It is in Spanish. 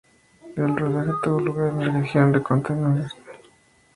El rodaje tuvo lugar en la región de Kootenay, al sur de Columbia Británica.